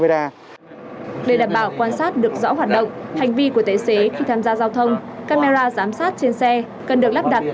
để đảm bảo quan sát được rõ hoạt động hành vi của tài xế khi tham gia giao thông camera giám sát trên xe cần được lắp đặt